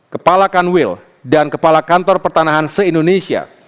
kepala kanwil dan kepala kantor pertanahan se indonesia